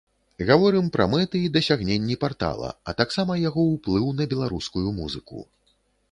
Гаворым пра мэты і дасягненні партала, а таксама яго ўплыў на беларускую музыку.